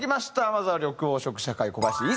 まずは緑黄色社会小林壱誓さん。